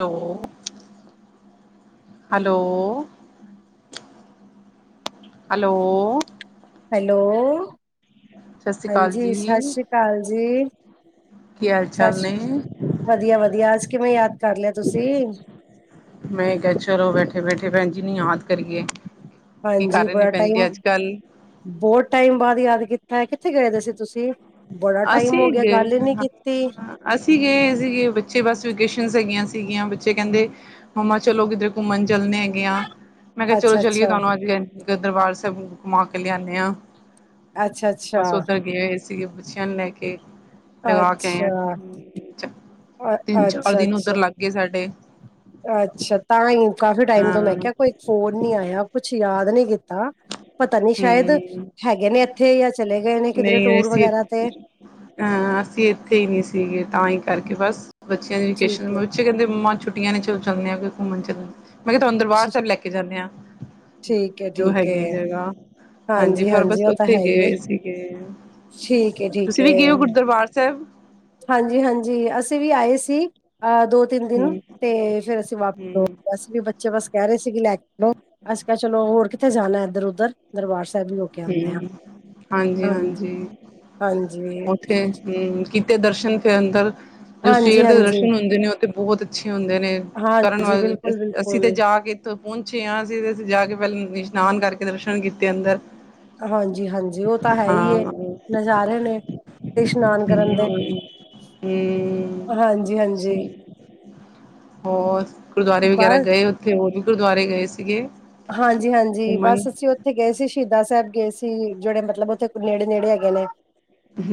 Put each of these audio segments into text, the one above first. Hello- hello hello hello ਸਤਿ ਸ਼੍ਰੀ ਅਕਾਲ ਹਾਂਜੀ, ਸਤਿ ਜੀ। ਸ੍ਰੀ ਅਕਾਲ ਜੀ,। ਕੀ ਹਾਲ ਸ ਚਾਲ ਸ੍ਰੀ ਨੇ? ਵਧੀਆ- ਵਧੀਆ, ਅੱਜ ਕਿਵੇਂ, ਯਾਦ ਕਰ ਲਿਆ ਤੁਸੀਂ? ਮੈਂ ਕਿਹਾ, ਚਲੋ ਬੈਠੇ -ਬੈਠੇ ਭੈਣ ਜੀ ਨੂੰ ਯਾਦ ਕਰੀਏ ਕੀ ਕਰ ਹਾਂਜੀ ਰਹੇ ਨੇ, ਬੜਾ ਭੈਣ ਜੀ ਟਾਈਮ ਅੱਜ ਕੱਲ? ਬਹੁਤ ਟਾਈਮ ਬਾਅਦ, ਯਾਦ ਕੀਤਾ ਹੈ। ਕਿੱਥੇ ਗਏ ਦੇ ਸੀ ਤੁਸੀਂ? ਬੜਾ ਟਾਈਮ ਅਸੀਂ ਹੋ ਗਿਆ, ਗੱਲ ਇਹ ਨੀ ਗਏ ਕੀਤੀ ਅਸੀਂ ਗਏ ਸੀਗੇ, ਬੱਚੇ ਬਸ ਵਕੇਸ਼ਨ ਹੈਗੀਆਂ ਸੀਗੀਆਂ, ਬੱਚੇ ਕਹਿੰਦੇ ਮਾਮਾ, ਚਲੋ ਕਿੱਧਰ ਘੁੰਮਣ ਚੱਲਦੇ ਹੈਗੇ ਆ ਮੈਂ ਕਿਹਾ, ਚਲੋ ਅੱਛਾ ਚਲੀਏ ਅੱਛਾ ਤੁਹਾਨੂੰ ਅੱਜ ਦਰਬਾਰ ਸਾਹਿਬ, ਘੁਮਾ ਕੇ ਲਿਆਦੇ ਆ ਅੱਛਾ ਬਸ ਅੱਛਾ ਉਧਰ ਗਏ ਹੋਏ ਸੀਗੇ ਬੱਚਿਆਂ ਨੂੰ ਲੈ ਕੇ। ਲਗਾ ਕੇ ਆਏ ਆ ਅੱਛਾ ਚੱਕ ਅ- ਤਿੰਨ ਚਾਰ ਅੱਛਾ ਦਿਨ ਉੱਧਰ ਅੱਛਾ ਲੱਗ ਗਏ ਸਾਡੇ। ਅੱਛਾ ਤਾਂ ਹੀ ਕਾਫੀ ਟਾਈਮ ਤੋਂ ਮੈਂ ਹਾਂ। ਕਿਹਾ, ਕੋਈ ਫੋਨ ਨੀ ਆਇਆ ਕੁਛ ਯਾਦ ਨੀ ਕੀਤਾ। ਪਤਾ ਨੀ ਸ਼ਾਇਦ ਹੂੰ, ਹੈਗੇ ਨੇ ਇੱਥੇ ਜਾਂ ਚਲੇ ਗਏ ਨੇ ਕਿਧਰੇ ਟੂਰ ਵਗੈਰਾ ਤੇ। ਹਾਂ ਅਸੀਂ ਇੱਥੇ ਹੀ ਨਹੀਂ ਸੀਗੇ ਤਾਂ ਹੀ ਕਰਕੇ ਬਸ ਬੱਚਿਆਂ ਦੀ ਵਕੇਸ਼ਨ ਠੀਕ ਤੇ ਹੈ ਬੱਚੇ- ਕਹਿੰਦੇ ਮੰਮਾ ਛੁੱਟੀਆਂ ਨੇ ਚਲ ਚੱਲਦੇ ਆ ਕਿੱਥੇ ਘੁੰਮਣ ਚਲਦੇ ਆ। ਮੈਂ ਕਿਹਾ ਤੁਹਾਨੂੰ ਦਰਬਾਰ ਸਾਹਿਬ ਲੈ ਕੇ ਜਾਂਨੇ ਆਂ ਠੀਕ ਹੈ ਜੋ ਠੀਕ ਹੈ ਹੈਗੀ ਜਗ੍ਹਾ। ਹਾਂਜੀ ਫਿਰ ਬਸ ਉਹ ਤਾਂ ਉੱਥੇ ਹੈ ਹੀ ਹੈ ਗਏ ਸੀਗੇ ਠੀਕ ਹੈ ਠੀਕ ਤੁਸੀਂ ਵੀ ਹੈ ਗਏ ਹੋ ਦਰਬਾਰ ਸਾਹਿਬ? ਚਲ ਹਾਂਜੀ ਹਾਂਜੀ ਅਸੀਂ ਵੀ ਆਏ ਸੀ ਅਹ ਦੋ ਤਿੰਨ ਹੂੰ ਦਿਨ ਤੇ ਫੇਰ ਅਸੀਂ ਹੂੰ ਵਾਪਸ ਬੱਚੇ ਬਸ ਕਹਿ ਰਹੇ ਸੀ ਲੈ ਕੇ ਚਲੋ, ਅਸੀਂ ਕਿਹਾ ਚਲੋ ਹੋਰ ਕਿੱਥੇ ਜਾਣਾ ਇੱਧਰ ਉਧਰ ਦਰਬਾਰ ਸਾਹਿਬ ਹੀ ਹੋ ਕੇ ਆਉਂਦੇ ਹਮ ਆ ਹਾਂਜੀ ਹਾਂਜੀ ਹਾਂਜੀ ਉੱਥੇ ਹਮ ਕੀਤੇ ਦਰਸ਼ਨ ਫਿਰ ਅੰਦਰ ਜੋ ਹਾਂਜੀ ਸਵੇਰ ਦੇ ਹਾਂਜੀ ਦਰਸ਼ਨ ਹੁੰਦੇ ਨੇ ਉਹ ਤੇ ਬਹੁਤ ਅੱਛੇ ਹੁੰਦੇ ਨੇ। ਕਰਨ ਹਾਂਜੀ ਵਾਲੇ ਦਿਨ ਬਿਲਕੁਲ ਅਸੀਂ ਤੇ ਬਿਲਕੁਲ ਜਾ ਕੇ- ਪਹੁੰਚੇ ਆ ਅਸੀਂ ਤੇ ਜਾ ਕੇ ਪਹਿਲ ਇਸ਼ਨਾਨ ਕਰਕੇ ਦਰਸ਼ਨ ਕੀਤੇ ਅੰਦਰ। ਹਾਂਜੀ ਹਾਂਜੀ ਉਹ ਤਾਂ ਹੈ ਹੀ ਹਾਂ ਏ ਹਮ ਨਜ਼ਾਰੇ ਨੇ। ਤੇ ਇਸ਼ਨਾਨ ਕਰਨ ਦੇ ਹਾਂਜੀ ਹਾਂਜੀ। ਹੋਰ! ਗੁਰਦੁਆਰੇ ਵਗੈਰਾ ਬਸ ਗਏ ਉੱਥੇ ਹੋਰ ਵੀ ਗੁਰਦੁਆਰੇ ਗਏ ਸੀਗੇ? ਹਾਂਜੀ ਹਾਂਜੀ ਘੁੰਮਣ ਬਸ ਅਸੀਂ ਉੱਥੇ ਗਏ ਸੀ ਸ਼ਹੀਦਾਂ ਸਾਹਿਬ ਗਏ ਸੀ ਜਿਹੜੇ ਮਤਲਬ ਉੱਥੇ ਨੇੜੇ ਨੇੜੇ ਹੈਗੇ ਨੇ।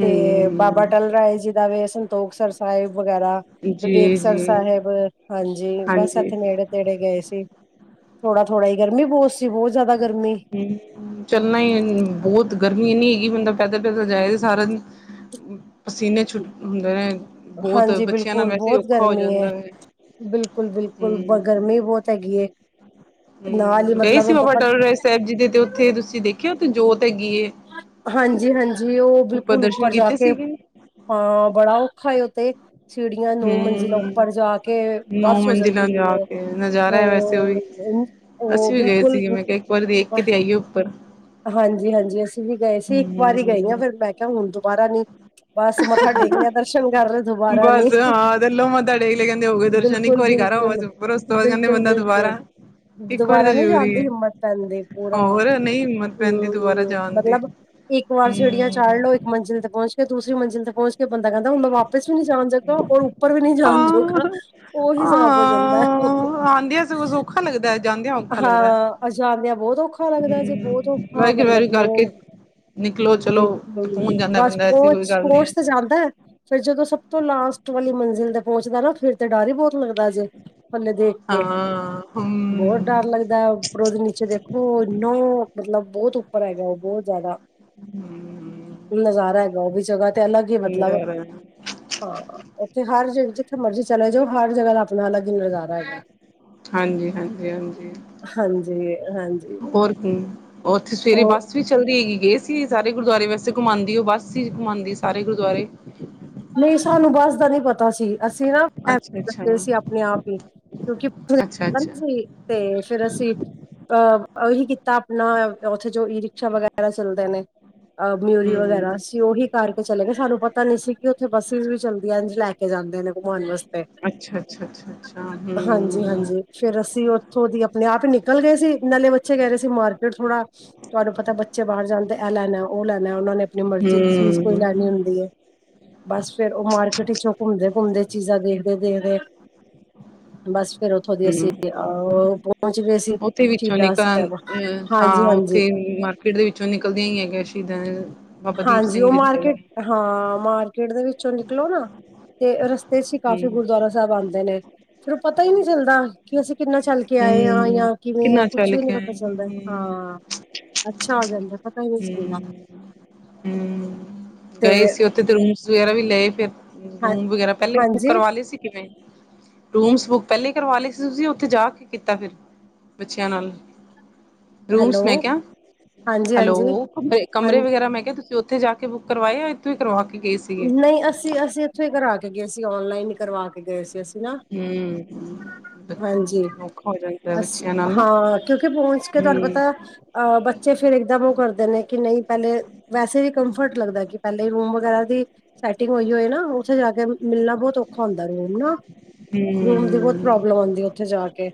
ਤੇ ਬਾਬਾ ਅਟਲ ਰਾਏ ਜੀ ਦਾ ਵੇ। ਸੰਤੋਖ ਸਰ ਸਾਹਿਬ ਵਗੈਰਾ ਜੀ ਬਿਬੇਕਸਰ ਜੀ ਸਾਹਿਬ ਹਾਂਜੀ ਬਸ ਹਾਂਜੀ ਇੱਥੇ ਨੇੜੇ ਗਏ ਸੀ। ਥੋੜਾ ਥੋੜਾ ਈ ਗਰਮੀ ਬਹੁਤ ਸੀ ਬਹੁਤ ਜ਼ਿਆਦਾ ਗਰਮੀ। ਹਮ ਚੱਲਣਾ ਹੀ ਬਹੁਤ ਗਰਮੀ ਇਨੀ ਹੈਗੀ ਬੰਦਾ ਪੈਦਲ ਪੈਦਲ ਜਾਏ ਸਾਰਾ ਦਿਨ। ਪਸੀਨੇ ਛੁੱਟ ਹੁੰਦੇ ਨੇ ਬਹੁਤ ਹਾਂਜੀ ਬੱਚਿਆਂ ਨਾਲ ਬਿਲਕੁਲ ਵੈਸੇ ਬਹੁਤ ਔਖਾ ਹੋ ਗਰਮੀ ਹੈ ਜਾਂਦਾ ਵੇ। ਬਿਲਕੁਲ ਬਿਲਕੁਲ ਬ ਗਰਮੀ ਬਹੁਤ ਹੈਗੀ ਏ। ਹਮ ਗਏ ਸੀ ਬਾਬਾ ਟੱਲ ਰਾਇ ਸਾਹਿਬ ਜੀ ਦੇ ਤੇ ਉੱਥੇ ਤੁਸੀਂ ਦੇਖਿਆ ਤੇ ਉੱਥੇ ਜੋਤ ਹੈਗੀ ਏ। ਹਾਂਜੀ ਹਾਂਜੀ ਉਹ ਬਿਲਕੁਲ ਦਰਸ਼ਨ ਉੱਪਰ ਜਾ ਕੀਤੇ ਕੇ। ਸੀਗੇ ਹਾਂ ਬੜਾ ਔਖਾ ਏ ਓ ਤੇ। ਸੀੜੀਆਂ ਨੌ ਮੰਜ਼ਿਲਾਂ ਹਮ ਉੱਪਰ ਜਾ ਕੇ ਨੌ ਬੱਸ ਹੋ ਮੰਜ਼ਿਲਾਂ ਜਾਂਦੀ ਜਾ ਏ ਕੇ ਨਜ਼ਾਰਾ ਹੈ ਵੈਸੇ ਉਹ ਵੀ ਹਮ। ਅਸੀਂ ਵੀ ਗਏ ਸੀਗੇ, ਮੈਂ ਕਿਹਾ ਇੱਕ ਵਾਰੀ ਦੇਖ ਕੇ ਤੇ ਆਈਏ ਉੱਪਰ। ਹਾਂਜੀ ਹਾਂਜੀ, ਅਸੀਂ ਵੀ ਗਏ ਸੀ ਇੱਕ ਵਾਰੀ ਗਈ ਆਂ ਹਮ ਫਿਰ ਮੈਂ ਕਿਹਾ ਹੁਣ ਦੁਬਾਰਾ ਨੀ ਬਸ ਮੱਥਾ ਟੇਕ ਲਿਆ ਦਰਸ਼ਨ ਕਰ ਲਏ ਦੁਬਾਰਾ ਨੀ। ਬਸ ਹਾਂ ਥੱਲੋਂ ਮੱਥਾ ਟੇਕ ਲਿਆ ਕਹਿੰਦੇ ਹੋ ਗਏ ਦਰਸ਼ਨ ਇੱਕ ਬਿਲਕੁਲ ਵਾਰੀ ਕਰ ਆਓ ਬਸ ਬਿਲਕੁਲ। ਉੱਪਰ ਉਸ ਤੋਂ ਬਾਅਦ ਕਹਿੰਦੇ ਬਿਲਕੁਲ ਬੰਦਾ ਬਿਲਕੁਲ ਦੁਬਾਰਾ ਇੱਕ ਵਾਰੀ ਤਾਂ ਦੁਬਾਰਾ ਨਹੀਂ ਜਾਣ ਜ਼ਰੂਰੀ ਦੀ ਹੈ ਹਿੰਮਤ ਪੈਂਦੀ ਪੂਰਾ। ਹੋਰ ਨਹੀਂ ਹਿੰਮਤ ਪੈਂਦੀ ਦੁਬਾਰਾ ਹਮ ਜਾਣ ਦੀ ਮਤਲਬ ਇੱਕ ਵਾਰ ਸੀੜੀਆਂ ਚਾੜ ਹਾਂ ਲਓ। ਮੰਜਿਲ ਤੇ ਪਹੁੰਚ ਕੇ ਦੂਸਰੀ ਮੰਜ਼ਿਲ ਪਹੁੰਚ ਕੇ ਬੰਦਾ ਕਹਿੰਦਾ ਵਾਪਿਸ ਵੀ ਨੀ ਜਾਣ ਜੋਗਾ ਜਦੋਂ ਉਹ ਉੱਪਰ ਵੀ ਨਹੀਂ ਜਾਣ ਜੋੋਗਾ ਉਹ ਹਿਸਾਬ ਹੋ ਜਾਂਦੈ ਉਹ। ਆਂਦੀਆ ਸਗੋ ਸੋਖਾ ਹਾਂ ਜਾਂਦਿਆਂ ਬਹੁਤ ਔਖਾ ਲੱਗਦਾ ਜੇ, ਬਹੁਤ ਔਖਾ ਵਾਹਿਗੁਰੂ ਵਾਹਿਗੁਰੂ ਮਤਲਬ ਨੌ ਕਰਕੇ ਨਿਕਲੋ ਚਲੋ ਬਿਲਕੁਲ ਸਕੂਨ ਜਾਂਦਾ ਬਸ ਬੰਦਾ ਐਸੀ ਕੋਈ ਪਹੁੰਚ ਗੱਲ ਨਹੀਂ ਹੈ ਪਹੁੰਚ ਤੇ ਜਾਂਦੈ। ਫਿਰ ਜਦੋਂ ਸਭ ਤੋਂ ਲਾਸਟ ਵਾਲੀ ਮੰਜ਼ਿਲ ਤੇ ਪਹੁੰਚਦਾ ਨਾ ਫੇਰ ਤੇ ਡਰ ਹੀ ਬਹੁਤ ਲੱਗਦਾ ਜੇ ਥੱਲੇ ਦੇਖ ਕੇ ਹਾਂ ਹਮ ਬਹੁਤ ਡਰ ਲੱਗਦੈ ਉੱਪਰੋਂ ਦੀ ਨੀਚੇ ਦੇਖੋ ਇੰਨਾ ਮਤਲਬ ਬਹੁਤ ਉੱਪਰ ਹੈਗਾ ਬਹੁਤ ਜ਼ਿਆਦਾ ਨਜ਼ਾਰਾ ਐਗਾ ਓ ਵੀ ਜਗਾ ਤੇ ਅਲੱਗ ਈ ਮਤਲਬ ਹਾਂ, ਓਥੇ ਹਰ ਜਗ ਜਿੱਥੇ ਮਰਜੀ ਚਲੇ ਜੋ ਹਰ ਜਗਾ ਦਾ ਅਪਨਾ ਅਲਗ ਈ ਨਜ਼ਾਰਾ ਐ ਹਾਂਜੀ ਹਾਂਜੀ ਹਾਂਜੀ, ਹਾਂਜੀ ਹਾਂਜੀ ਹੋਰ ਕੀ ਹੋਥੇ ਸਵੇਰੇ ਈ ਉਹ ਬਸ ਬੱਸ ਵੀ ਚੱਲਦੀ ਐਗੀ ਏ ਗਏ ਸੀ ਸਾਰੇ ਗੁਰਦੁਆਰੇ ਵੱਸੇ ਘੁਮਾਂਦੀ ਓ ਬੱਸ ਈ ਘੁਮਾਂਦੀ ਸਾਰੇ ਗੁਰਦੁਆਰੇ ਨਈ ਸਾਨੂੰ ਬੱਸ ਦਾ ਨੀ ਪਤਾ ਸੀ। ਅਸੀ ਨਾ ਅੱਛਾ ਅੱਛਾ [unintelligible] ਸੀ ਅਪਨੇ ਆਪ ਈ, ਕਯੋਕਿ ਅੱਛਾ ਅੱਛਾ ਤੇ ਫੇਰ ਅਸੀ ਅ ਓਹੀ ਕੀਤਾ ਅਪਨਾ ਓਥੇ ਜੋ ਈ ਰਿਕਸ਼ਾ ਵਗੈਰਾ ਚੱਲਦੇ ਨੇ। ਅ ਮਯੂਰੀ ਵਗੈਰਾ ਹਮ ਸੀ ਓਹੀ ਕਾਰਕੇ ਚੱਲੇ ਗੇ ਸਾਨੂੰ ਪਤਾ ਨੀ ਸੀ ਕੀ ਓਥੇ ਬੱਸਿਸ ਵੀ ਚੱਲਦੀਐ ਐਂਜ ਲੈਕੇ ਜਾਂਦੇ ਨੇ ਘਮੋਨ ਵੱਸ ਅੱਛਾ-ਅੱਛਾ, ਅੱਛਾ-ਅੱਛਾ। ਹਾਂਜੀ-ਹਾਂਜੀ ਫੇਰ ਅਸੀ ਓਥੋਂ ਦੀ ਅਪਨੇ ਆਪ ਈ ਨਿਕਲ ਗੇ ਸੀ ਨਾਲੇ ਬਚੇ ਕੈ ਰੇ ਸੀ ਮਾਰਕੀਟ ਥੋੜਾ ਤੁਆਨੂੰ ਪਤੈ ਬੱਚੇ ਬਾਹਰ ਜਾਨਦੇ ਐ ਲੈਨੈ ਓ ਲੈਨੈ ਓਨਾ ਨੇ ਅਪਨੀ ਮਰਜੀ ਦੀ ਚੀਜ ਕੋਈ ਹੂੰ-ਹੂੰ, ਲੈਨੀ ਓਂਦੀ ਏ ਬਾੱਸ ਫੇਰ ਓ ਮਾਰਕੀਟ ਇਚੋ ਘੁੰਮਦੇ-ਘੁੰਮਦੇ ਚੀਜ਼ਾ ਦੇਖਦੇ-ਦੇਖਦੇ ਬਾੱਸ ਫੇਰ ਓਥੋਂ ਦੀ ਅਸੀ ਅ ਪੋਂਚ ਗਏ ਸੀ, ਉੱਥੇ ਵਿੱਚੋਂ ਸ਼ੀਦਾ ਨਿਕਲ ਸੈਬ। ਅ ਹਾਂ ਓਥੇ ਈ ਮਾਰਕੀਟ ਦੇ ਵਿੱਚੋ ਨਿਕਲਦੀਯਾ ਈ ਐਗੈ ਸ਼ੀਦਾਂ ਹਾਂਜੀ ਓ ਮਾਰਕੀਟ, ਹਾਂ ਮਾਰਕੀਟ ਦੇ ਵਿੱਚੋਂ ਨਿਕਲੋ ਨਾ ਤੇ ਰਸਤੇ ਚ ਈ ਕਾਫੀ ਹੂੰ-ਹੂੰ, ਗੁਰੂਦੁਆਰਾ ਸੈਬ ਆਂਦੇ ਨੇ, ਫੇਰ ਓ ਪਤਾ ਈ ਨੀ ਚੱਲਦਾ ਕਿ ਅਸੀ ਕਿੰਨਾ ਚੱਲ ਕੇ ਆਏ ਆ ਯਾ ਕਿਵੇਂ ਐ ਕਿੰਨਾ ਕੁਛ ਚੱਲ ਵੀ ਨੀ ਕੇ ਪਤਾ ਆਏ ਚੱਲਦਾ, ਹਾਂ ਅੱਛਾ ਹੋ ਜਾਂਦੈ ਪਤਾ ਈ ਨੀ ਚੱਲਦਾ। ਹੂੰ, ਤੇ ਗਏ ਸੀ ਓਥੇ ਤੇ ਰੂਮਸ ਵਗੈਰਾ ਵੀ ਲਏ ਫੇਰ ਹਾਂ ਰੂਮ ਵਗੈਰਾ ਪੈਲੇ ਈ ਬੁੱਕ ਹਾਂਜੀ ਕਰਵਾ ਲੇ ਸੀ ਕਿਵੇਂ। ਰੂਮਸ ਬੁੱਕ ਪੈਲੇ ਈ ਕਰਵਾ ਲੇ ਸੀ ਤੁਸੀ ਓਥੇ ਜਾ ਕੇ ਕੀਤਾ ਫੇਰ, ਬੱਚੇਆਂ ਨਾਲ ਰੂਮਸ ਹੈਲੋ ਮੈਂ ਕਯਾ, ਹਾਂਜੀ ਹਾਂਜੀ ਹੈਲੋ ਕਮਰੇ- ਹਾਂ ਕਮਰੇ ਵਗੈਰਾ ਮੈਂ ਕਯਾ ਤੁਸ ਤੇ ਓਥੇ ਜਾ ਕੇ ਬੁੱਕ ਕਰਵਾਏ ਆ ਇਥੋਂ ਈ ਕਰਵਾ ਕੇ ਗਏ ਸੀ। ਨਈ ਅਸੀ-ਅਸੀ ਐਥੋ ਈ ਕਰਾ ਕੇ ਗਏ ਸੀ ਔਨਲਾਈਨ ਈ ਕਰਵਾ ਕੇ ਗਏ ਸੀ ਅਸੀ। ਹੂੰ। ਹਾਂਜੀ, ਔਖਾ ਹੋ ਜਾਂਦਾ ਅਸੀ ਬੱਚਿਆਂ ਨਾਲ ਨਾ ਹਾਂ ਕਿਯੋਕਿ ਪੋਂਚ ਕੇ ਤੁਆਨੂੰ ਹੂੰ ਪਤਾ ਅ ਬੱਚੇ ਫੇਰ ਏਕਦਮ ਓ ਕਰਦੇ ਨੇ ਕਿ ਨਈ ਪੈਲੇ ਵੈਸੇ ਵੀ ਕੰਫਰਟ ਲੱਗਦੈ ਕਿ ਪੈਲੇ ਈ ਰੂਮ ਵਗੈਰਾ ਦੀ ਸੈਟਿੰਗ ਹੋਈ ਹੋਏ ਨਾ ਓਥੇ ਜਾ ਕੇ ਮਿਲਨਾ ਬੋਤ ਔਖਾ ਹੋਂਦੈ ਰੂਮ ਨਾ ਰੂਮ ਦੀ ਬੋਤ ਹੂੰ ਪ੍ਰੋਬਲਮ ਓਂਦੀ ਏ ਓਥੇ ਜਾ ਕੇ,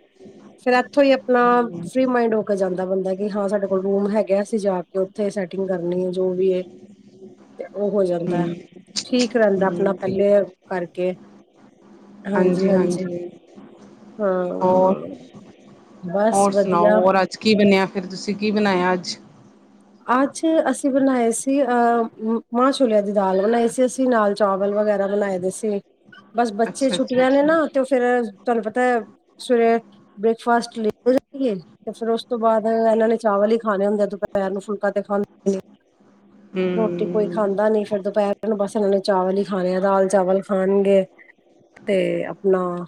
ਫੇਰ ਐਥੋ ਈ ਅਪਨਾ ਹੂੰ ਫਰੀ ਮਾਇੰਡ ਹੋ ਕੇ ਜਾਂਦੈ ਬੰਦਾ ਕਿ ਹਾਂ ਸਾਡੇ ਕੋਲ ਰੂਮ ਹੈਗੇ ਆ ਅਸੀ ਜਾ ਕੇ ਓਥੇ ਸੈਟਿੰਗ ਕਰਨੀ ਏ ਜੋ ਵੀ ਏ ਹ ਤੇ ਓ ਹੋ ਜਂਦੈ, ਠੀਕ ਰੈਂਦੈ ਅਪਨਾ ਹੂੰ ਪੈਲੇ ਠੀਕ ਕਾਰਕੇ ਹਾਂਜੀ-ਹਾਂਜੀ। ਹਾਂ ਹੋਰ, ਬਸ ਹੋਰ ਸੁਨਾਓ ਵਧੀਆ ਹੋਰ ਆੱਜ ਅੱਜ ਕੀ ਬਨੇਆ ਫੇਰ ਤੁਸੀ ਕੀ ਬਨਾਏਆ ਆੱਜ ਆੱਜ ਅਸੀ ਬਨਾਏ ਸੀ ਅ ਮਾਂ ਛੋਲੇਆਂ ਦੀ ਦਾਲ ਬਨਾਈ ਸੀ ਅਸੀ ਨਾਲ ਚਾਵਲ ਵਗੈਰਾ ਬਨਾਏ ਦੇ ਸੀ, ਬਾੱਸ ਬੱਚੇ ਅੱਛਾ ਅੱਛਾ ਛੁੱਟੀਆਂ ਨੇ ਅੱਛਾ ਨਾ ਤੇ ਓ ਫੇਰ ਤਾਨੂੰ ਪਤੈ, ਸਵੇਰ ਬ੍ਰੇਕਫਾਸਟ [unintelligible] ਤੇ ਫੇਰ ਉਸ ਤੋ ਬਾਦ ਐਨਾ ਨੇ ਚਾਵਲ ਈ ਖਾਨੇ ਹੋਂਦੇ ਦੋ ਪੈਰ ਨੂੰ ਫੁਲਕਾ ਤੇ ਖਾਨ ਹੂੰ [unintelligible] ਟੀ ਕੋਈ ਖਾਂਦਾ ਨੀ ਫੇਰ ਦੋਪੈਰ ਨੂੰ ਬਾੱਸ ਐਨਾ ਨੇ ਚਾਵਲ ਹੀ ਖਾਨੇ ਐ ਦਾਲ-ਚਾਵਲ ਖਾਨਗੇ ਤੇ ਅਪਨਾ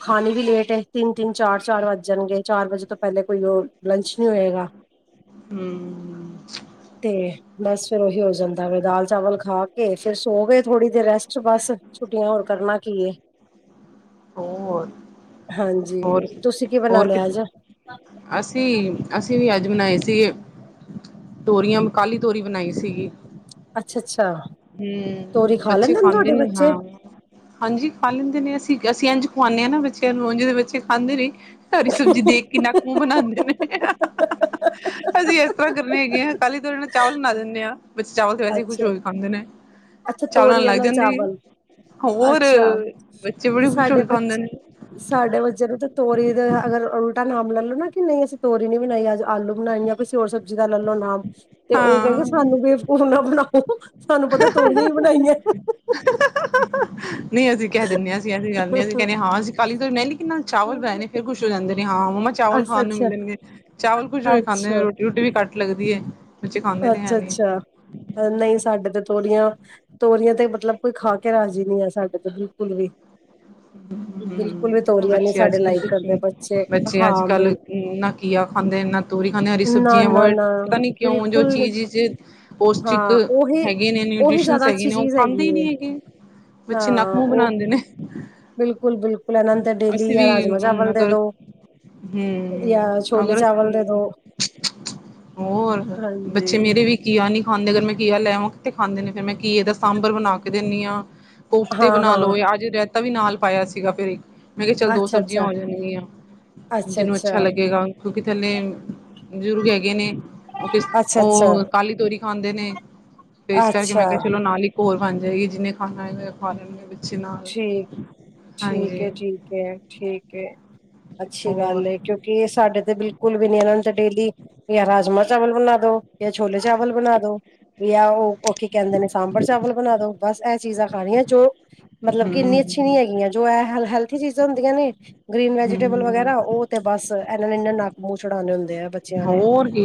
ਖਾਣੀ ਵੀ ਲੇਟ ਐ। ਤਿੰਨ ਤਿੰਨ, ਚਾਰ ਚਾਰ ਵੱਜ ਜਾਣਗੇ ਚਾਰ ਵਜੇ ਤੋਂ ਪਹਿਲੇ ਕੋਈ ਉਹ ਲੰਚ ਨਹੀਂ ਹੋਏਗਾ। ਹੁੰ। ਤੇ ਬਸ ਫੇਰ ਉਹੀ ਹੋ ਜਾਂਦਾ ਵ ਦਾਲ ਚਾਵਲ ਖਾ ਕੇ ਫਿਰ ਸੋ ਗਏ ਥੋੜੀ ਦੇਰ ਰੈਸਟ ਬਸ। ਛੁੱਟੀਆਂ ਹੋਰ ਕਰਨਾ ਕੀ ਏ। ਹੋਰ, ਹਾਂਜੀ ਹੋਰ ਕੀ ਤੁਸੀਂ ਬਣਾ ਹੋਰ ਕਿ ਲਿਆ ਅੱਜ ਅਸੀਂ, ਅਸੀਂ ਵੀ ਅੱਜ ਬਣਾਏ ਸੀਗੇ। ਤੋਰੀਆਂ ਕਾਲੀ ਤੋਰੀ ਬਣਾਈ ਸੀਗੀ। ਅੱਛਾ-ਅੱਛਾ। ਹੁੰ, ਬੱਚੇ ਖਾਂਦੇ ਨੇ ਹਾਂ। ਹਾਂਜੀ, ਖਾ ਲੈਂਦੇ ਨੇ ਅਸੀਂ, ਅਸੀਂ ਇੰਜ ਖੁਵਾਂਦੇ ਹਾਂ ਨਾ ਬੱਚਿਆਂ ਨੂੰ ਉਂਜ ਤੇ ਬੱਚੇ ਖਾਂਦੇ ਨੀ। ਹਰੀ ਸਬਜ਼ੀ ਦੇਖ ਕੇ ਨੱਕ ਮੂੰਹ ਬਣਾਦੇ ਨੇ। ਅਸੀਂ ਇਸ ਤਰ੍ਹਾਂ ਕਰਨੇ ਹੈਗੇ ਆ ਕਾਲੀ ਤੋਰੀ ਨਾਲ ਚਾਵਲ ਬਣਾ ਲੈਣੇ ਹਾਂ। ਬੱਚੇ ਚਾਵਲ ਤੇ ਵੈਸੇ ਖੁਸ਼ ਅੱਛਾ ਹੋ ਕੇ ਖਾਂਦੇ ਨੇ। ਅੱਛਾ ਚਾਵਲਾਂ ਨਾਲ ਤੋਰੀਆਂ ਲੱਗ ਜਾਂਦੀ, ਚਾਵਲ ਹੋਰ ਅੱਛਾ ਬੱਚੇ ਤੇ ਬੜੀ ਖੁਸ਼ ਹੋ ਸਾਡੇ ਕੇ ਬੱਚੇ ਖਾਂਦੇ ਨੇ। ਸਾਡੇ ਬਚੇ ਨੂੰ ਤਾਂ ਤੋਰੀ ਦੇ ਅਗਰ ਉਲਟਾ ਨਾਮ ਲੈ ਲਓ ਨਾ ਕਿ ਨਹੀਂ ਅਸੀਂ ਤੋਰੀ ਨੀ ਬਣਾਈ ਅੱਜ ਆਲੂ ਬਣਾਈ ਆ ਕਿਸੀ ਹੋਰ ਸਬਜ਼ੀ ਦਾ ਲਲੋ ਨਾਮ ਤੇ ਉਹ ਕਹਿੰਦੇ ਹਾਂ, ਸਾਨੂੰ ਬੇਵਕੂਫ ਨਾ ਬਣਾਓ। ਸਾਨੂੰ ਪਤਾ ਤੋਰੀਆਂ ਹੀ ਬਣਾਈਆਂ। ਨਹੀਂ ਅਸੀਂ ਕਹਿ ਦਿੰਨੇ ਆ। ਅਸੀਂ ਜਾਨੇ ਆਂ ਤੇ ਅਸੀਂ ਕਹਿਨੇ ਆਂ, ਹਾਂ ਅਸੀ ਕਾਲੀ ਤੋਰੀ [unintelligible] ਲੇਕਿਨ ਨਾਲ ਚਵਲ ਬਣਾਏ ਨੇ ਫੇਰ ਖੁਸ਼ ਹੋ ਜਾਂਦੇ ਨੇ ਹਾਂ ਮਮਾ ਚਾਵਲ ਅੱਛਾ ਖਾਣ ਨੂੰ ਅੱਛਾ ਮਿਲਣਗੇ, ਚਾਵਲ ਖੁਸ਼ ਹੋ ਕੇ ਖਾਂਦੇ ਅੱਛਾ ਰੋਟੀ ਰੋਟੀ ਵੀ ਕੱਟ ਲੱਗਦੀ ਏ। ਬੱਚੇ ਖਾਂਦੇ ਤੇ ਹੈ ਨੀ। ਅੱਛਾ-ਅੱਛਾ ਨਹੀਂ ਸਾਡੇ ਤੇ ਤੋਰੀਆਂ ਤੋਰੀਆਂ ਤੇ ਮਤਲਬ ਕੋਈ ਖਾ ਕੇ ਰਾਜ਼ੀ ਨਹੀਂ ਹੈ ਸਾਡੇ ਤੇ ਬਿਲਕੁਲ ਵੀ। [inaudible] ਬਿਲਕੁਲ ਵੀ ਹੂੰ, ਤੋਰੀਆਂ ਨੀ ਬੱਚੇ ਸਾਡੇ ਅੱਜ ਕੱਲ ਲਾਈਕ ਦੇਖੇ, ਕਰਦੇ ਬੱਚੇ ਅੱਜ ਹਾਂ ਕੱਲ ਬਿਲ ਨਕ ਘੀਆ ਖਾਂਦੇ ਨਾ ਤੋਰੀ ਖਾਂਦੇ ਹਰੀ ਨਾ ਸਬਜ਼ੀਆਂ ਨਾ ਅਵੋਇਡ ਨਾ ਪਤਾ ਨੀ ਕਿਉਂ ਜੋ ਬਿਲਕੁਲ ਚੀਜ਼ 'ਚ ਪੋਸ਼ਟਿਕ ਹਾਂ ਉਹੀ ਹੈਗੇ ਨੇ, ਉਹੀ ਨਿਊਟ੍ਰੀਸ਼ਨ ਜ਼ਿਆਦਾ ਹੈਗੇ ਅੱਛੀ ਨੇ ਉਹ ਚੀਜ਼ ਖਾਂਦੇ ਹੀ ਹੈਗੀ ਨੀ ਹੈਗੇ। ਬੱਚੇ ਨਕ ਹਾਂ ਮੂੰਹ ਉਹ ਬਣਾਦੇ ਨੇ। ਬਿਲਕੁਲ, ਬਿਲਕੁਲ ਇਨ੍ਹਾਂ ਨੂੰ ਤੇ ਡੇਲੀ ਅਸੀਂ ਜਾਂ ਵੀ ਰਾਜਮਾ ਹੁਣ ਚਾਵਲ ਦੇ ਅਗਰ ਦੋ ਜਾਂ ਹੂੰ ਛੋਲੇ ਅਗਰ ਚਾਵਲ ਦੇ ਦੋ। ਅਸੀਂ- ਹੋਰ ਹਾਂਜੀ ਬੱਚੇ ਮੇਰੇ ਵੀ ਘੀਆ ਨੀ ਖਾਂਦੇ, ਅਗਰ ਮੈਂ ਘੀਆ ਲੈਵਾਂ ਕਿਥੇ ਖਾਂਦੇ ਨੇ ਫਿਰ ਮੈਂ ਘੀਏ ਦਾ ਸਾਂਬਰ ਬਣਾ ਕੇ ਦਿੰਦੀ ਆ। ਹਾਂ ਕੋਫਤੇ ਬਣਾ ਹਾਂ ਲਓ ਅੱਜ ਰੈਇਤਾ ਵੀ ਨਾਲ ਪਾਇਆ ਸੀਗਾ ਘਰੇ। ਫੇਰ ਮੈਂ ਕਿਹਾ ਚੱਲ ਦੋ ਅੱਛਾ ਸਬਜ਼ੀਆਂ ਅੱਛਾ ਹੋ ਜਾਣਗੀਆਂ। ਜਿਹਨੂੰ ਅੱਛਾ ਲੱਗੇਗਾ, ਕਿਉਕਿ ਥੱਲੇ ਬਜ਼ੁਰਗ ਹੈਗੇ ਨੇ ਉਹ ਕਿਸ, ਅੱਛਾ ਅੱਛਾ ਉਹ ਕਾਲੀ ਤੋਰੀ ਖਾਂਦੇ ਨੇ। ਤੇ ਇਸ ਕਰਕੇ ਮੈਂ ਅੱਛਾ ਕਿਹਾ ਚਲੋ ਨਾਲ ਇੱਕ ਹੋਰ ਬਣ ਜਾਏਗੀ ਜਿੰਨੇ ਖਾਣਾ ਹੋਏਗਾ, ਖਾ ਲੈਣਗੇ ਬੱਚੇ ਨਾ ਠੀਕ, ਠੀਕ ਐ, ਠੀਕ ਐ, ਠੀਕ ਐ ਅੱਛੀ ਹੋਰ ਗੱਲ ਹੈ ਕਿਉਂਕ ਕਿ ਸਾਡੇ ਤੇ ਬਿਲਕੁਲ ਵੀ ਨੀ ਇਹਨਾਂ ਨੂੰ ਤਾਂ ਡੇਲੀ ਜਾਂ ਰਾਜਮਾਂ ਚਾਵਲ ਬਣਾ ਦੋ ਜਾਂ ਛੋਲੇ ਚਾਵਲ ਬਣਾ ਦੋ। ਯਾ ਉਹ ਕੀ ਕਹਿੰਦੇ ਨੇ ਸਾਂਬਰ ਚਾਵਲ ਬਣਾ ਦੋ ਬਸ ਇਹ ਚੀਜ਼ਾਂ ਖਾਣੀਆਂ ਜੋ ਮਤਲਬ ਕਿ ਇੰਨੀ ਅੱਛੀ ਨੀ ਹੂੰ ਹੈਗੀਆਂ ਜੋ ਇਹ ਐ ਐ ਹੈਲਥੀ ਚੀਜ਼ਾਂ ਹੁੰਦੀਆਂ ਨੇ ਗ੍ਰਰੀਨ ਵੈਜੀਟੇਬਲ ਹੂੰ ਵਗੈਰਾ ਉਹ ਤੇ ਬਸ ਇਹਨਾਂ ਨੇ ਇੰਨਾ ਨ ਨੱਕ ਮੂੰਹ ਚੜਾਨੇ ਹੁੰਦੇ ਆ। ਬੱਚਿਆਂ ਨੇ ਹੋਰ ਕੀ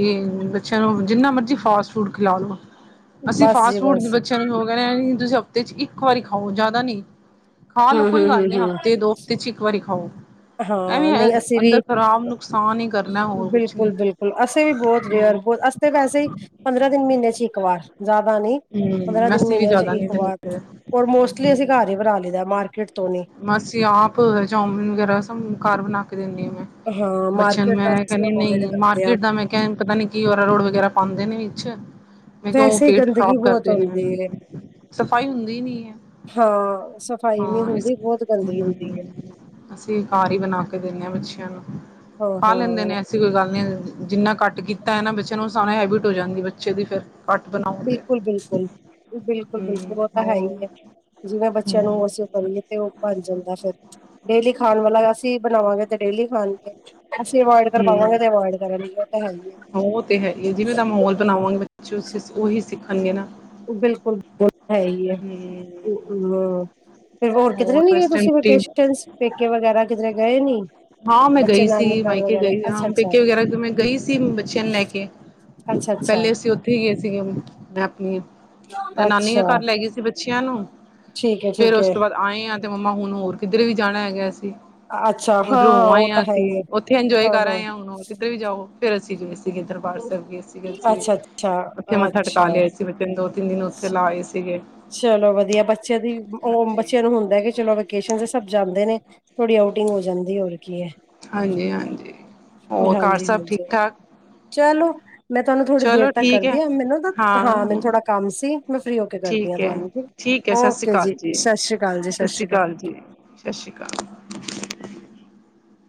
ਬੱਚਿਆਂ ਨੂੰ ਜਿੰਨਾ ਮਰਜੀ ਫਾਸਟ ਫੂਡ ਖਿਲਾ ਲੋੋ। ਅਸੀਂ ਬਸ ਜੀ ਫਾਸਟ ਫੂਡ ਬਸ ਬੱਚਿਆਂ ਨੂੰ ਕੈਨੇ ਕੀ ਤੁਸੀਂ ਹਫ਼ਤੇ ਚ ਇੱਕ ਵਾਰੀ ਖਾਓ ਜ਼ਿਆਦਾ ਨਈ। ਖਾ ਲੋ ਹੂੰ ਕੋਈ ਹੂੰ ਗੱਲ ਹੂੰ ਨਈ, ਹੂੰ ਹਫ਼ਤੇ ਦੋ ਹਫ਼ਤੇ ਚ ਇਕ ਵਾਰੀ ਖਾਓ। ਹਾਂ ਐਵੇਂ ਨਹੀਂ ਅਸੀਂ ਵੀ ਅੰਦਰ ਖ਼ਰਾਬ ਨੁਕਸਾਨ ਹੀ ਕਰਨਾ ਹੋਰ ਕੁਛ ਨੀ। ਬਿਲਕੁਲ ਬਿਲਕੁਲ ਅਸੀਂ ਵੀ ਬਹੁਤ ਰੇਅਰ, ਬਹੁਤ ਅਸੀਂ ਤਾਂ ਵੈਸੇ ਹੀ ਪੰਦਰਾਂ ਤਿੰਨ ਮਹੀਨੇ ਚ ਇੱਕ ਵਾਰ ਜ਼ਿਆਦਾ ਨਈ। ਪੰਦਰਾਂ ਹੂੰ ਦਿਨ ਅਸੀਂ ਵੀ ਮਹੀਨਿਆਂ ਚ ਜ਼ਿਆਦਾ ਨਹੀਂ ਇੱਕ ਵਾਰ ਦਿੰਦੇ। ਓਰ ਮੋਸਟਲੀ ਅਸੀਂ ਘਰ ਈ ਬਣਾ ਲਈ ਦਾ ਮਾਰਕੀਟ ਤੋਂ ਨੀ ਮਾਸੀ ਆਪ ਚੌਮਿਨ ਵਗੈਰਾ ਸਭ ਘਰ ਬਣਾ ਕੇ ਦੇਨੀ ਹਾਂ ਮੈਂ ਹਾਂ ਬੱਚਿਆਂ ਨੂੰ ਮਾਰਕੀਟ ਦਾ ਮੈਂ ਅਸੀਂ ਕਹਨੀ ਨਈ ਅਵੋਇਡ ਨਈ ਕਰਦੇ ਹਾਂ ਮਾਰਕੀਟ ਦਾ ਮੈਂ ਕਿਆ ਪਤਾ ਨੀ ਕੀ ਅਰਾਰੋਟ ਵਗੈਰਾ ਪਾਂਦੇ ਨੇ ਵਿੱਚ ਮੈਂ ਕਿਆ ਓਹ ਵੈਸੇ ਹੀ ਪੇਟ ਗੰਦਗੀ ਖ਼ਰਾਬ ਬਹੁਤ ਕਰਦੇ ਹੁੰਦੀ ਨੇ ਹੈ ਸਫ਼ਾਈ ਹੁੰਦੀ ਨੀ ਐ। ਹਾਂ ਸਫ਼ਾਈ ਨਹੀਂ ਹਾਂ ਇਸ ਹੁੰਦੀ ਬਹੁਤ ਗੰਦਗੀ ਹੁੰਦੀ ਹੈ ਅਸੀਂ ਘਰ ਈ ਬਣਾ ਕੇ ਦੇਨੇ ਆਂ ਬੱਚਿਆਂ ਨੂੰ। ਹਾਂ ਖਾ ਲੈਂਦੇ ਨੇ ਹਾਂ ਐਸੀ ਕੋਈ ਗੱਲ ਨਈ, ਜਿੰਨਾ ਘੱਟ ਕੀਤਾ ਹੈ ਨਾ ਬੱਚਿਆਂ ਨੂੰ ਊਸ ਹਿਸਾਬ ਨਾਲ ਹੈਬਿਟ ਹੋ ਜਾਂਦੀ। ਬੱਚੇ ਵੀ ਫਿਰ ਘੱਟ ਬਣਾ ਬਿਲਕੁਲ-ਬਿਲਕੁਲ, ਹੂੰ ਬਿਲਕੁਲ-ਬਿਲਕੁਲ, ਓਹ ਤਾਂ ਹੈ ਹੋਰ ਈ ਐ। ਜਿਵੇਂ ਬੱਚਿਆਂ ਨੂੰ ਹੂੰ। ਓਸ ਕਰੀਏ ਤੇ ਓਹ ਬਣ ਜਾਂਦਾ ਫੇਰ ਡੇਲੀ ਖਾਣ ਵਾਲਾ ਯਾ ਅਸੀਂ ਬਣਾਵਾਂਗੇ ਤੇ ਡੇਲੀ ਖਾਣਗੇ ਅਸੀਂ ਅਵਾਯਡ ਕਰਵਾਵਾਂਗੇ ਤੇ ਅਵਾਯਡ ਕਰਣਗੇ। ਹਾਂ ਉਹ ਤੇ ਹੈ ਈ ਏ, ਜਿਵੇਂ ਦਾ ਮਾਹੌਲ ਹੈ। ਬਣਾਵਾਂਗੇ ਬੱਚੇ ਉਸੀ ਸੀ ਓਹੀ ਸਿੱਖਣਗੇ ਨਾ ਬਿਲਕੁਲ ਬ ਹੈ ਹੀ ਹੈ ਹ ਹਮ ਮ ਫੇਰ ਹੋਰ ਕਿਧਰੇ ਨੀ ਗਏ ਵੈਸਟਰਨ ਤੁਸੀਂ ਰੂਟੀਨ ਵਕੇਸ਼ਨਸ ਪੇਕੇ ਵਗੈਰਾ ਕਿਧਰੇ ਗਏ ਨਈ? ਹਾਂ ਮੈਂ ਗਈ ਸੀ ਮਾਯਕੇ ਗਈ ਹਾਂ ਅੱਛਾ ਅੱਛਾ ਪੇਕੇ ਵਗੈਰਾ ਮੈਂ ਗਈ ਸੀ ਬੱਚਿਆਂ ਨ ਲੈ ਕੇ ਅੱਛਾ ਅੱਛਾ ਪੈਲੇ ਅਸੀਂ ਓਥੇ ਹੀ ਗਏ ਸੀਗੇ ਮੈਂ ਆਪਣੀ ਮੈਂ ਨਾਨੀ ਦੇ ਅੱਛਾ ਘਰ ਲੈ ਗਈ ਸੀ ਬੱਚਿਆਂ ਨੂੰ ਠੀਕ ਹੈ ਫੇਰ ਠੀਕ ਉਸ ਹੈ ਤੋਂ ਬਾਅਦ ਆਏ ਹਾਂ ਤੇ ਮੰਮਾ ਹੁਣ ਹੋਰ ਕਿੱਧਰੇ ਵੀ ਜਾਣਾ ਹੈਗੈ, ਅਸੀ। ਅੱਛਾ ਉਧਰੋਂ ਹੋ ਉਹ ਆਏ ਤਾਂ ਹਾਂ ਹੈ ਤੇ ਹੀ ਹੈ ਓਥੇ ਇੰਜੋਏ ਕਰ ਆਏ ਹਾਂ ਹੁਣ ਕਿਧਰ ਵੀ ਜਾਓ ਫੇਰ ਅਸੀਂ ਗਏ ਸੀਗੇ ਦਰਬਾਰ ਸੈਬ ਗਏ ਸੀਗੇ ਅਸੀਂ ਵੀ ਅੱਛਾ ਅੱਛਾ ਓਥੇ ਮੱਥਾ ਟਿਕਾ ਅੱਛਾ ਲਿਆਏ ਸੀ। ਤਿੰਨ ਦੋ ਤਿੰਨ ਦਿਨ ਓਥੇ ਲਾ ਆਏ ਸੀਗੇ ਚਲੋ ਵਦੀਆ ਬੱਚਿਆਂ ਦੀ ਓਹ ਹਾਂਜੀ ਬੱਚਿਆਂ ਨੂੰ ਹੁੰਦਾ ਕਿ ਚਲੋ ਵੈਕੇਸ਼ਨਸ ਚ ਸਭ ਜਾਂਦੇ ਨੇ। ਥੋੜੀ ਆਊਟਿੰਗ ਹੋ ਜਾਂਦੀ ਐ ਹਾਂਜੀ-ਹਾਂਜੀ, ਹੋਰ ਘਰ ਹਾਂਜੀ ਸਭ ਹਾਂਜੀ ਠੀਕ-ਠਾਕ? ਚਲੋ, ਮੈਂ ਤੁਹਾਨੂੰ ਥੋੜੀ ਦੇਰ ਚਲੋ ਤੱਕ ਠੀਕ ਐ, ਕਰਦੀ ਆਂ। ਮੈਨੂੰ ਤਾਂ ਹਾਂ ਮੈਨੂੰ ਥੋੜਾ ਕੰਮ ਸੀ ਮੈਂ ਫ੍ਰੀ ਹੋ ਕੇ ਕਰਦੀ ਹਾਂ। ਠੀਕ ਐ, [unintelligible] ਠੀਕ ਐ ਸਤਿ ਸ੍ਰੀ ਓਕੇ ਜੀ ਸ ਸ਼੍ਰੀ ਕਾਲ ਜੀ ਸ ਸ਼੍ਰੀ ਕਾਲ। ਸ ਸ੍ਰੀ ਕਾਲ।